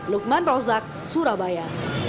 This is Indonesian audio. lukman rozak surabaya